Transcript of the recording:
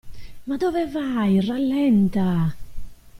Ma dove vai? Rallenta!